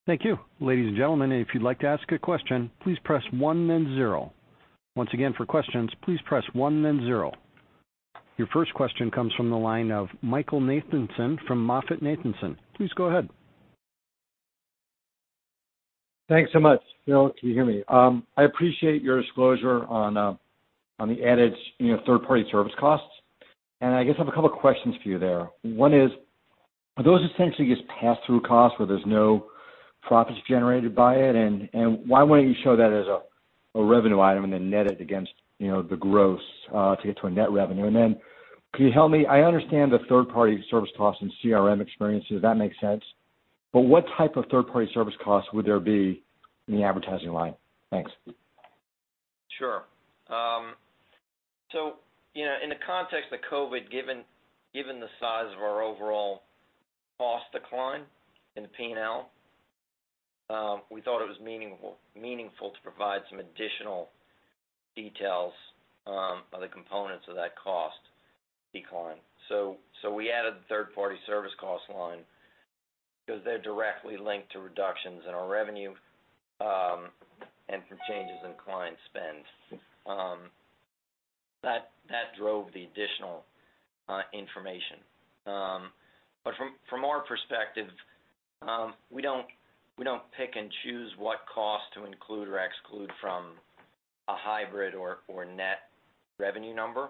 Thank you. Ladies and gentlemen, if you'd like to ask a question, please press one then zero. Once again, for questions, please press one then zero. Your first question comes from the line of Michael Nathanson from MoffettNathanson. Please go ahead. Thanks so much. John, can you hear me? I appreciate your disclosure on the added third-party service costs. And I guess I have a couple of questions for you there. One is, are those essentially just pass-through costs where there's no profits generated by it? And why wouldn't you show that as a revenue item and then net it against the gross to get to a net revenue? And then can you tell me, I understand the third-party service costs and CRM experiences, that makes sense. But what type of third-party service costs would there be in the advertising line? Thanks. Sure. So in the context of COVID, given the size of our overall cost decline in the P&L, we thought it was meaningful to provide some additional details of the components of that cost decline. So we added the third-party service cost line because they're directly linked to reductions in our revenue and from changes in client spend. That drove the additional information. But from our perspective, we don't pick and choose what costs to include or exclude from a hybrid or net revenue number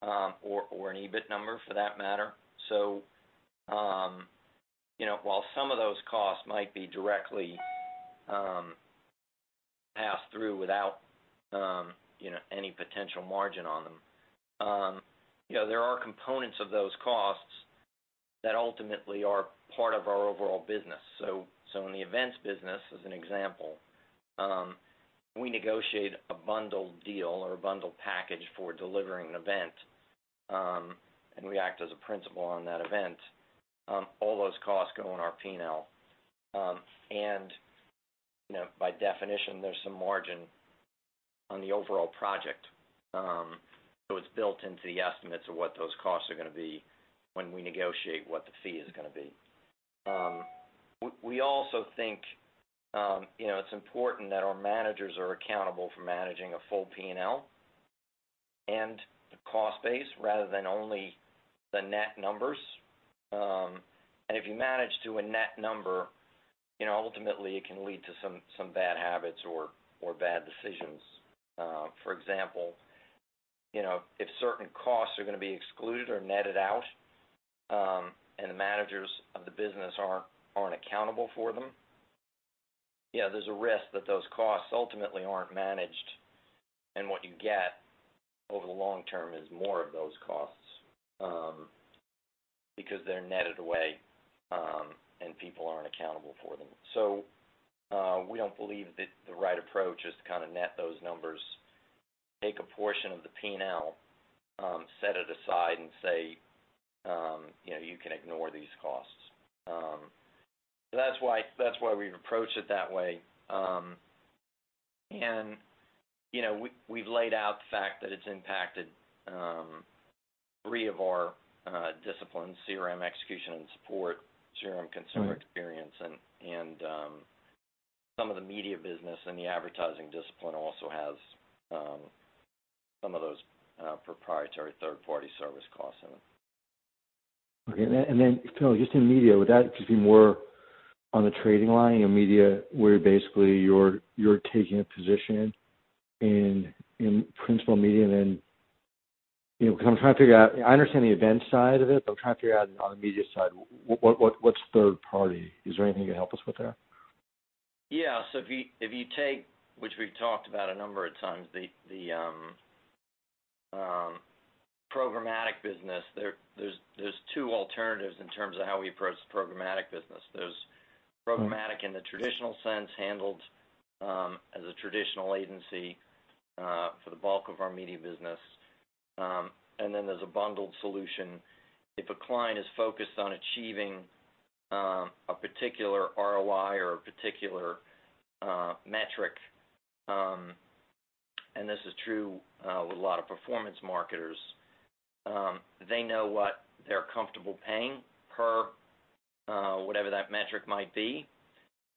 or an EBIT number for that matter. So while some of those costs might be directly passed through without any potential margin on them, there are components of those costs that ultimately are part of our overall business. So in the events business, as an example, we negotiate a bundled deal or a bundled package for delivering an event, and we act as a principal on that event. All those costs go in our P&L. And by definition, there's some margin on the overall project. So it's built into the estimates of what those costs are going to be when we negotiate what the fee is going to be. We also think it's important that our managers are accountable for managing a full P&L and the cost base rather than only the net numbers. And if you manage to a net number, ultimately, it can lead to some bad habits or bad decisions. For example, if certain costs are going to be excluded or netted out and the managers of the business aren't accountable for them, there's a risk that those costs ultimately aren't managed. And what you get over the long term is more of those costs because they're netted away and people aren't accountable for them. So we don't believe that the right approach is to kind of net those numbers, take a portion of the P&L, set it aside, and say, "You can ignore these costs." So that's why we've approached it that way. And we've laid out the fact that it's impacted three of our disciplines: CRM Execution & Support, CRM Consumer Experience, and some of the media business. And the advertising discipline also has some of those proprietary third-party service costs in it. Okay. And then, Phil, just in media, would that just be more on the trading line? In media, where basically you're taking a position in principal media, and then because I'm trying to figure out, I understand the events side of it, but I'm trying to figure out on the media side, what's third-party? Is there anything you can help us with there? Yeah. So if you take, which we've talked about a number of times, the programmatic business, there's two alternatives in terms of how we approach the programmatic business. There's programmatic in the traditional sense, handled as a traditional agency for the bulk of our media business. And then there's a bundled solution. If a client is focused on achieving a particular ROI or a particular metric, and this is true with a lot of performance marketers, they know what they're comfortable paying per whatever that metric might be,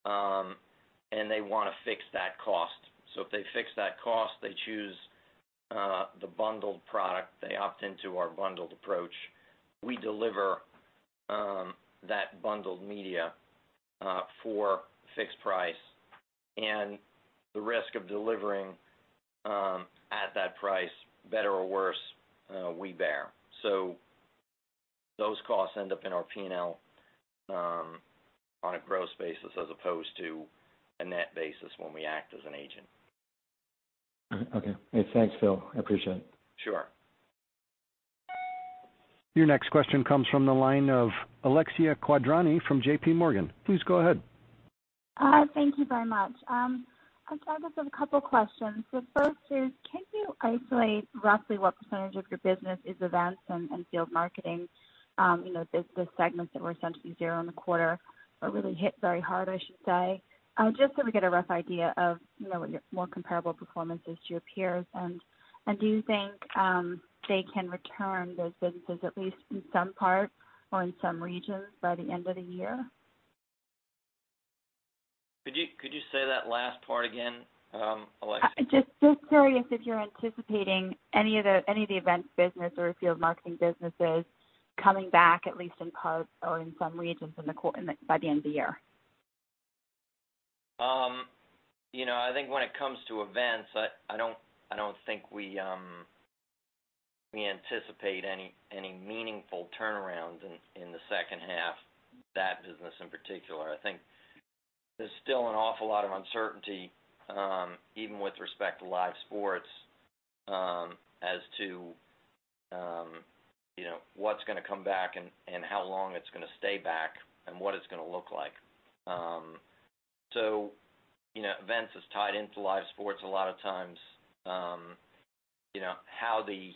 and they want to fix that cost. So if they fix that cost, they choose the bundled product. They opt into our bundled approach. We deliver that bundled media for fixed price. And the risk of delivering at that price, better or worse, we bear. So those costs end up in our P&L on a gross basis as opposed to a net basis when we act as an agent. Okay. Thanks, Phil. I appreciate it. Sure. Your next question comes from the line of Alexia Quadrani from JPMorgan. Please go ahead. Hi. Thank you very much. I've got a couple of questions. The first is, can you isolate roughly what percentage of your business is events and field marketing? The segments that were essentially zero in the quarter or really hit very hard, I should say, just so we get a rough idea of what your more comparable performance is to your peers. Do you think they can return those businesses at least in some part or in some regions by the end of the year? Could you say that last part again, Alexia? Just curious if you're anticipating any of the events business or field marketing businesses coming back, at least in part or in some regions by the end of the year. I think when it comes to events, I don't think we anticipate any meaningful turnarounds in the second half of that business in particular. I think there's still an awful lot of uncertainty, even with respect to live sports, as to what's going to come back and how long it's going to stay back and what it's going to look like. Events is tied into live sports a lot of times, how the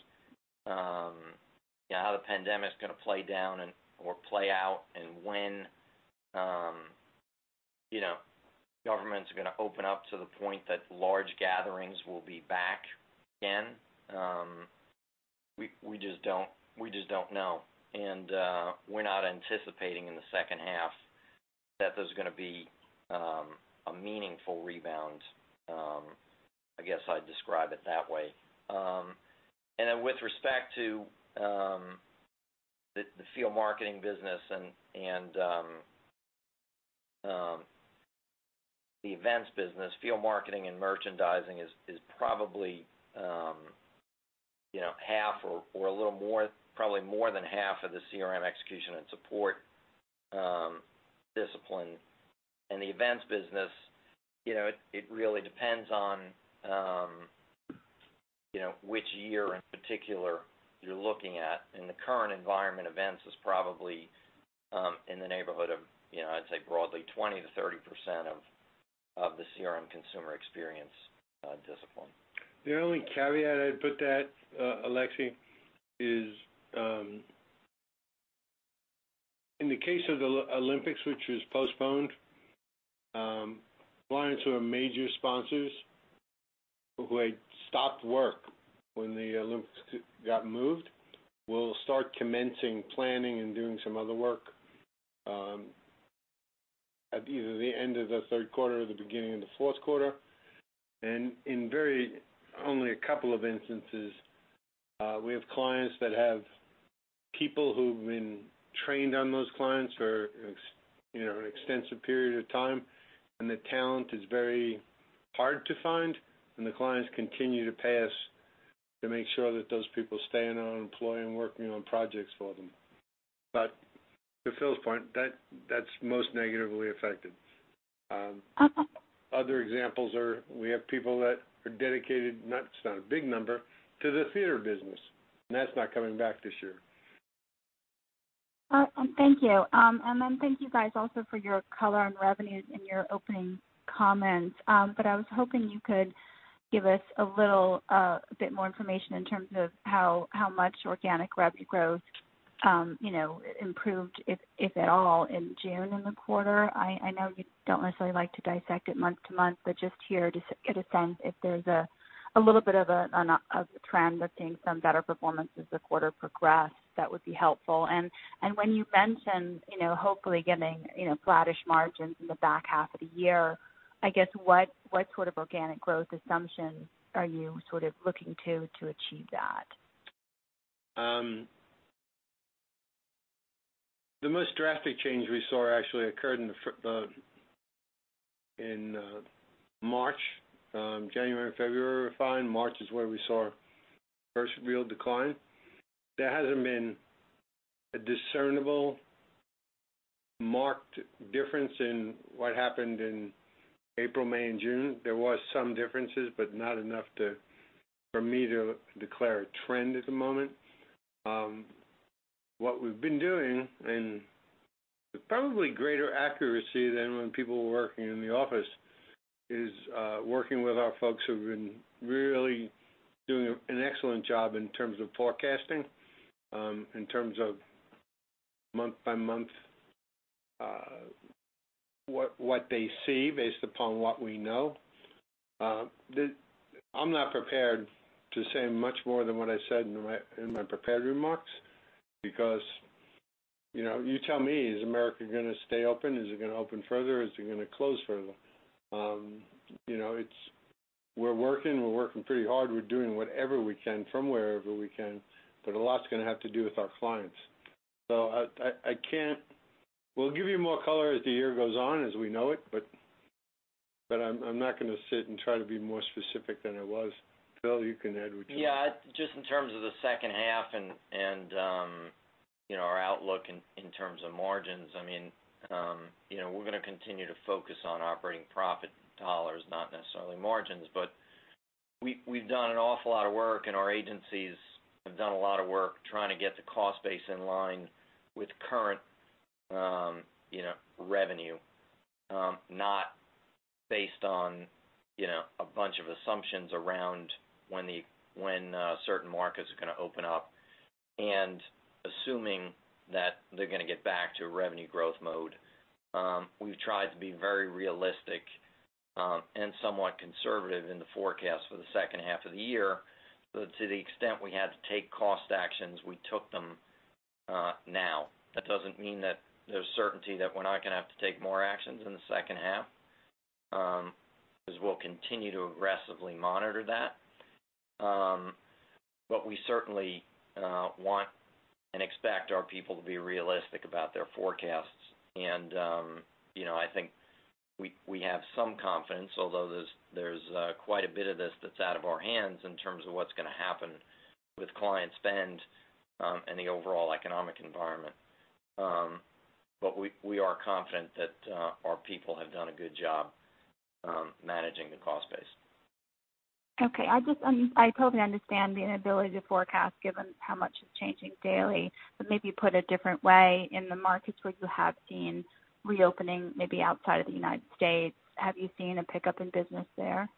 pandemic is going to play down or play out and when governments are going to open up to the point that large gatherings will be back again. We just don't know. We're not anticipating in the second half that there's going to be a meaningful rebound, I guess I'd describe it that way. Then with respect to the field marketing business and the events business, field marketing and merchandising is probably half or a little more, probably more than half of the CRM Execution & Support discipline. The events business, it really depends on which year in particular you're looking at. In the current environment, events is probably in the neighborhood of, I'd say, broadly 20%-30% of the CRM Consumer Experience discipline. The only caveat I'd put that, Alexia, is in the case of the Olympics, which was postponed. Clients who are major sponsors who had stopped work when the Olympics got moved will start commencing planning and doing some other work at either the end of the third quarter or the beginning of the fourth quarter. And in very only a couple of instances, we have clients that have people who've been trained on those clients for an extensive period of time, and the talent is very hard to find. And the clients continue to pay us to make sure that those people stay in our employ and working on projects for them. But to Phil's point, that's most negatively affected. Other examples are we have people that are dedicated, not a big number, to the theater business. And that's not coming back this year. Thank you. And then thank you guys also for your color on revenues and your opening comments. But I was hoping you could give us a bit more information in terms of how much organic revenue growth improved, if at all, in June in the quarter. I know you don't necessarily like to dissect it month to month, but just here to get a sense if there's a little bit of a trend of seeing some better performances the quarter progressed, that would be helpful. And when you mentioned hopefully getting flattish margins in the back half of the year, I guess what sort of organic growth assumptions are you sort of looking to achieve that? The most drastic change we saw actually occurred in March, January, and February. We're fine. March is where we saw first real decline. There hasn't been a discernible marked difference in what happened in April, May, and June. There were some differences, but not enough for me to declare a trend at the moment. What we've been doing, and with probably greater accuracy than when people were working in the office, is working with our folks who have been really doing an excellent job in terms of forecasting, in terms of month-by-month what they see based upon what we know. I'm not prepared to say much more than what I said in my prepared remarks because you tell me, is America going to stay open? Is it going to open further? Is it going to close further? We're working. We're working pretty hard. We're doing whatever we can from wherever we can. But a lot's going to have to do with our clients. So, I can't. We'll give you more color as the year goes on as we know it, but I'm not going to sit and try to be more specific than I was. Phil, you can add what you want. Yeah. Just in terms of the second half and our outlook in terms of margins, I mean, we're going to continue to focus on operating profit dollars, not necessarily margins. But we've done an awful lot of work, and our agencies have done a lot of work trying to get the cost base in line with current revenue, not based on a bunch of assumptions around when certain markets are going to open up and assuming that they're going to get back to a revenue growth mode. We've tried to be very realistic and somewhat conservative in the forecast for the second half of the year. But to the extent we had to take cost actions, we took them now. That doesn't mean that there's certainty that we're not going to have to take more actions in the second half because we'll continue to aggressively monitor that. But we certainly want and expect our people to be realistic about their forecasts. And I think we have some confidence, although there's quite a bit of this that's out of our hands in terms of what's going to happen with client spend and the overall economic environment. But we are confident that our people have done a good job managing the cost base. Okay. I totally understand the inability to forecast given how much is changing daily, but maybe put a different way in the markets where you have seen reopening maybe outside of the United States. Have you seen a pickup in business there?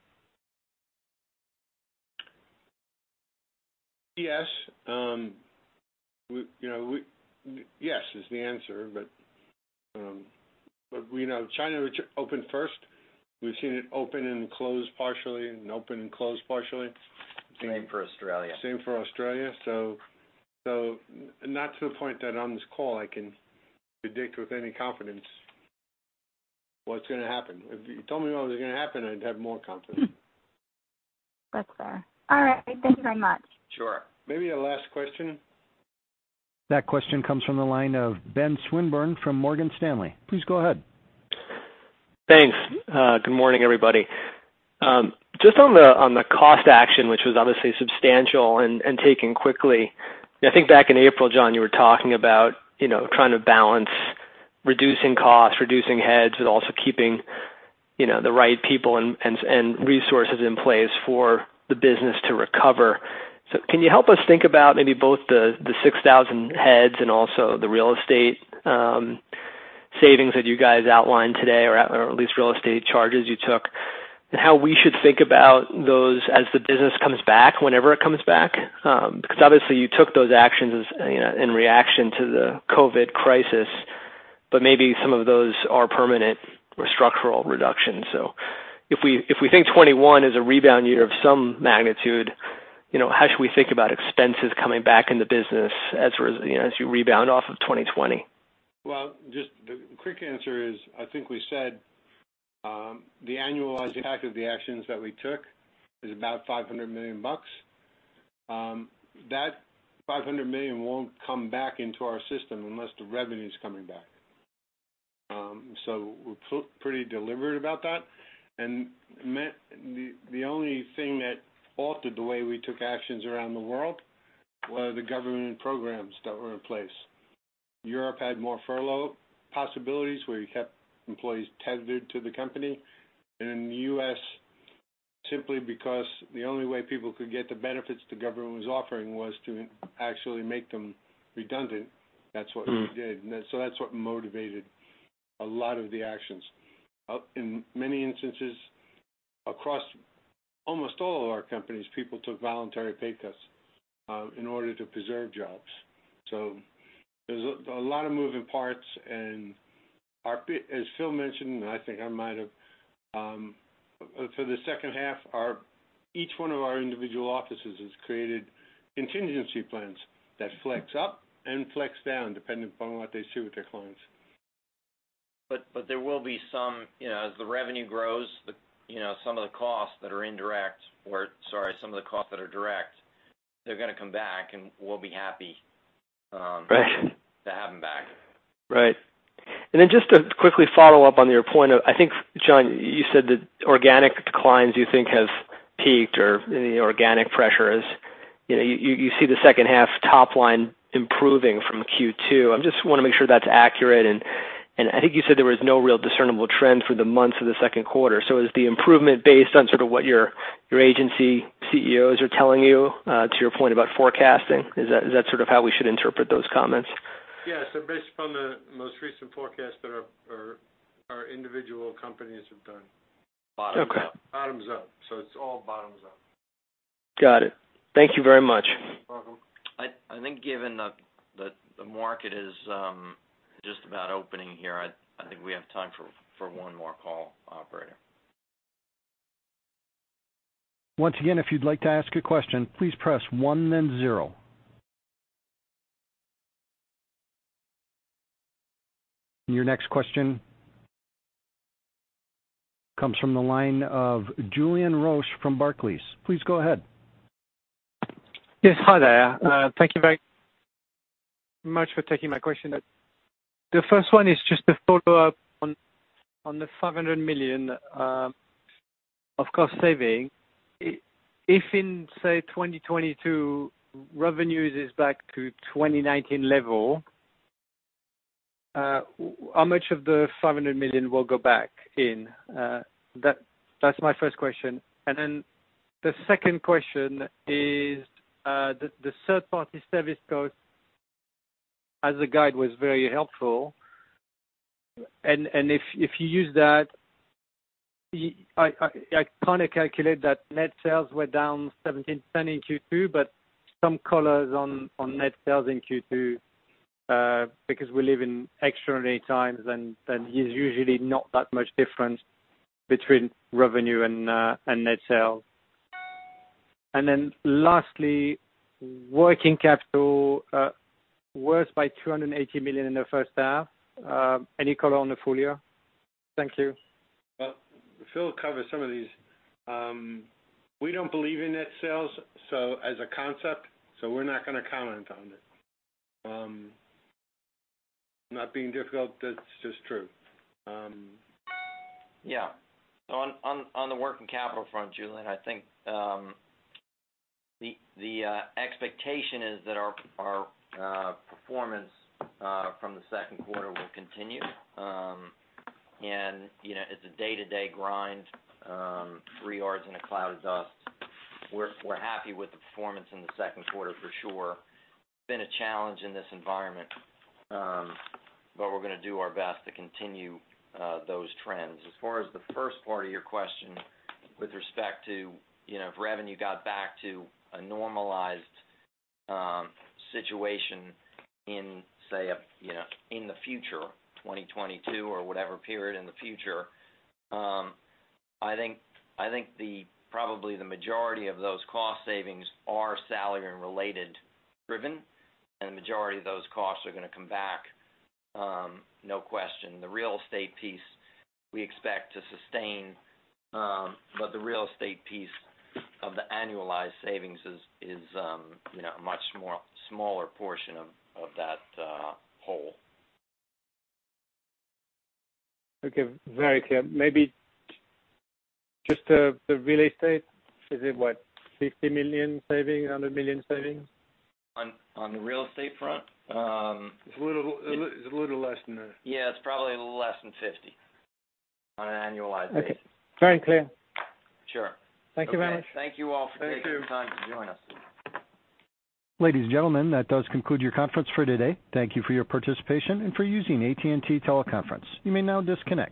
Yes. Yes is the answer. But we know China opened first. We've seen it open and close partially and open and close partially. Same for Australia. So not to the point that on this call I can predict with any confidence what's going to happen. If you told me what was going to happen, I'd have more confidence. That's fair. All right. Thank you very much. Sure. Maybe a last question. That question comes from the line of Ben Swinburne from Morgan Stanley. Please go ahead. Thanks. Good morning, everybody. Just on the cost action, which was obviously substantial and taken quickly, I think back in April, John, you were talking about trying to balance reducing costs, reducing heads, but also keeping the right people and resources in place for the business to recover. So can you help us think about maybe both the 6,000 heads and also the real estate savings that you guys outlined today, or at least real estate charges you took, and how we should think about those as the business comes back, whenever it comes back? Because obviously you took those actions in reaction to the COVID crisis, but maybe some of those are permanent or structural reductions. So if we think 2021 is a rebound year of some magnitude, how should we think about expenses coming back in the business as you rebound off of 2020? Well, just the quick answer is I think we said the annualized impact of the actions that we took is about $500 million. That $500 million won't come back into our system unless the revenue's coming back. So we're pretty deliberate about that. And the only thing that altered the way we took actions around the world were the government programs that were in place. Europe had more furlough possibilities where you kept employees tethered to the company. And in the U.S., simply because the only way people could get the benefits the government was offering was to actually make them redundant. That's what we did. So that's what motivated a lot of the actions. In many instances, across almost all of our companies, people took voluntary pay cuts in order to preserve jobs. So there's a lot of moving parts. And as Phil mentioned, and I think I might have, for the second half, each one of our individual offices has created contingency plans that flex up and flex down depending upon what they see with their clients. But there will be some, as the revenue grows, some of the costs that are indirect or, sorry, some of the costs that are direct, they're going to come back, and we'll be happy to have them back. Right. And then just to quickly follow up on your point, I think, John, you said that organic declines you think have peaked or the organic pressures. You see the second half top line improving from Q2. I just want to make sure that's accurate. And I think you said there was no real discernible trend for the months of the second quarter. So is the improvement based on sort of what your agency CEOs are telling you to your point about forecasting? Is that sort of how we should interpret those comments? Yeah. So based upon the most recent forecast that our individual companies have done. Bottom-up. So it's all bottom-up. Got it. Thank you very much. You're welcome. I think given that the market is just about opening here, I think we have time for one more call, Operator. Once again, if you'd like to ask a question, please press one, then zero. And your next question comes from the line of Julien Roch from Barclays. Please go ahead. Yes. Hi there. Thank you very much for taking my question. The first one is just to follow up on the $500 million of cost saving. If in, say, 2022, revenues is back to 2019 level, how much of the $500 million will go back in? That's my first question. And then the second question is the third-party service cost, as the guide was very helpful. If you use that, I kind of calculate that net sales were down 17% in Q2, but some colors on net sales in Q2 because we live in extraordinary times, and there's usually not that much difference between revenue and net sales. Lastly, working capital worse by $280 million in the first half. Any color on the flow? Thank you. Phil covered some of these. We don't believe in net sales, so as a concept, so we're not going to comment on it. Not being difficult, that's just true. Yeah. On the working capital front, Julien, I think the expectation is that our performance from the second quarter will continue. It's a day-to-day grind, three yards and a cloud of dust. We're happy with the performance in the second quarter for sure. It's been a challenge in this environment, but we're going to do our best to continue those trends. As far as the first part of your question with respect to if revenue got back to a normalized situation in, say, in the future, 2022 or whatever period in the future, I think probably the majority of those cost savings are salary-related driven, and the majority of those costs are going to come back, no question. The real estate piece, we expect to sustain, but the real estate piece of the annualized savings is a much smaller portion of that whole. Okay. Very clear. Maybe just the real estate, is it what, $50 million savings, $100 million savings? On the real estate front? It's a little less than that. Yeah. It's probably less than $50 million on an annualized basis. Okay. Very clear. Sure. Thank you very much. Thank you all for taking the time to join us. Thank you. Ladies and gentlemen, that does conclude your conference for today. Thank you for your participation and for using AT&T Teleconference. You may now disconnect.